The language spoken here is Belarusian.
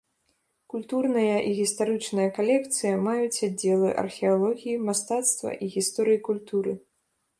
Культурная і гістарычная калекцыя маюць аддзелы археалогіі, мастацтва і гісторыі культуры.